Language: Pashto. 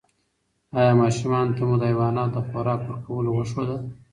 ایا ماشومانو ته مو د حیواناتو د خوراک ورکولو وښودل؟